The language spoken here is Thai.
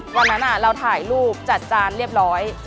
วันนั้นเราถ่ายรูปจัดจานเรียบร้อย